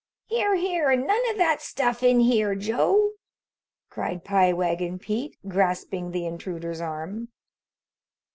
"Here! Here! None o' that stuff in here, Joe," cried Pie Wagon Pete, grasping the intruder's arm.